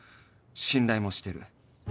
信頼もしてる